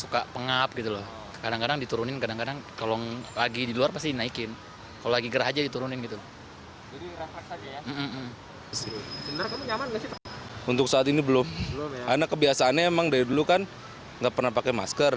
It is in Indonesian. karena kebiasaannya emang dari dulu kan nggak pernah pakai masker